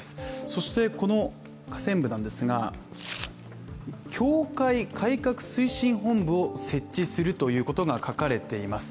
そしてこの、下線部なんですが、教会改革推進本部を設置するということが書かれています。